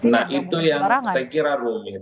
nah itu yang saya kira rumit